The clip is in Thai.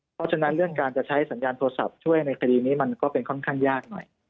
เพราะฉะนั้นเรื่องการจะใช้สัญญาณโทรศัพท์ช่วยในคดีนี้มันก็เป็นค่อนข้างยากหน่อย